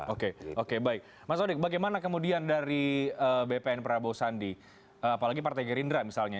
oke oke baik mas odik bagaimana kemudian dari bpn prabowo sandi apalagi partai gerindra misalnya